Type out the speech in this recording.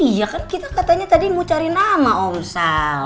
oh iya kan kita katanya tadi mau cari nama om sal